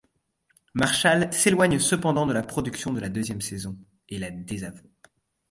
Marchal s'éloigne cependant de la production de la deuxième saison, et la désavoue.